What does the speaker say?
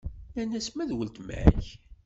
Nnan-as ma d uletma-k.